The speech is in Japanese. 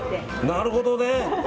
なるほどね。